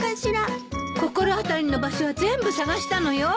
心当たりの場所は全部捜したのよ。